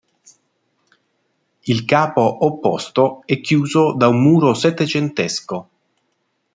Il capo opposto è chiuso da un muro settecentesco.